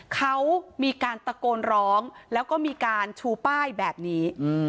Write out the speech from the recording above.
เขามีการตะโกนร้องแล้วก็มีการชูป้ายแบบนี้